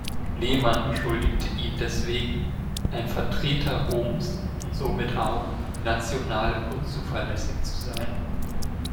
Lehmann beschuldigte ihn deswegen, ein „Vertreter Roms“ und somit auch „national unzuverlässig“ zu sein.